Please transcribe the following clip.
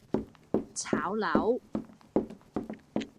炒樓